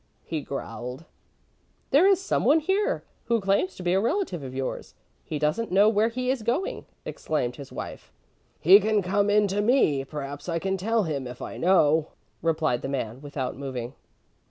he growled. "There is someone here, who claims to be a relative of yours. He doesn't know where he is going," exclaimed his wife. "He can come in to me, perhaps I can tell him, if I know," replied the man, without moving.